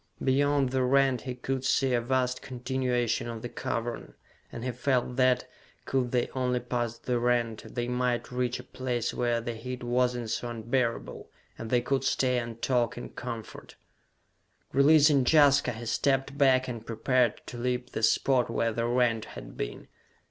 Beyond the rent he could see a vast continuation of the cavern, and he felt that, could they only pass the rent, they might reach a place where the heat was not so unbearable, and they could stay and talk in comfort. Releasing Jaska, he stepped back and prepared to leap the spot where the rent had been.